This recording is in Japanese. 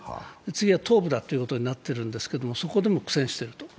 次は東部だということになったんですが、そこでも苦戦している。